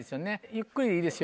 ゆっくりでいいですよ